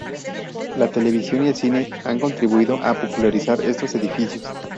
La televisión y el cine han contribuido a popularizar estos edificios.